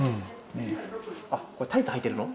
これタイツはいてるの？